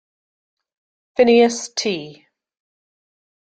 Phineas.T.